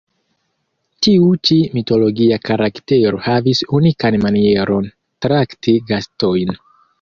Tiu ĉi mitologia karaktero havis unikan manieron, trakti gastojn.